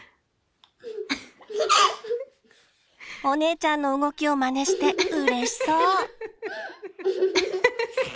お姉ちゃんの動きをまねしてうれしそう。